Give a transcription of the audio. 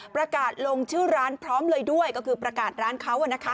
ประกาศลงชื่อร้านพร้อมเลยด้วยก็คือประกาศร้านเขา